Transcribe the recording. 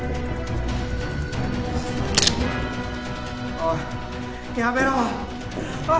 おいやめろおい！